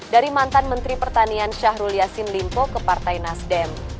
dari mantan menteri pertanian syahrul yassin limpo ke partai nasdem